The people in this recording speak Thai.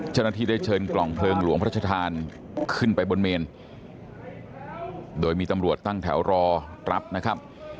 เจ้าหน้าที่ได้เชิญกล่องเพลิงหลวงพระชธานขึ้นไปบนเมนโดยมีตำรวจตั้งแถวรอรับนะครับ